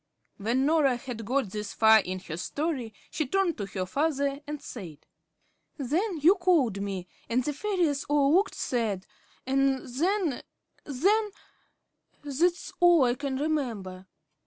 When Norah had got this far in her story, she turned to her father, and said: "Then you called me, and the fairies all looked sad, and then then that's all I can remember."